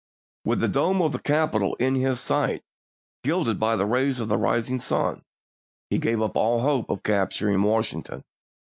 With the dome of the Capitol in his sight, gilded by the rays of the rising sun, he gave up all hope of capturing Washington.